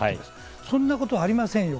そんなことはありませんよ。